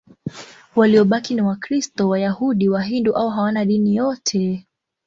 Waliobaki ni Wakristo, Wayahudi, Wahindu au hawana dini yote.